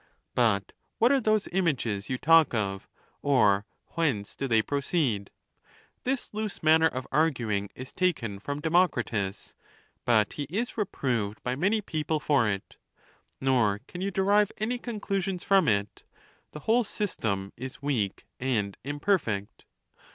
But what are those images you talk of, or whence do they proceed ? This loose manner of arguing is taken from Democritus ; but he is reproved by many people for it; nor can you derive any conclusions from it: the whole system is weak and imperfect.